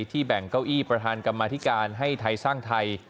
แบ่งเก้าอี้ประธานกรรมาธิการให้ไทยสร้างไทย